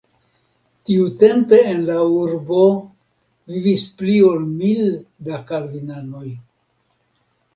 Tiutempe en la urbo vivis pli ol mil da kalvinanoj.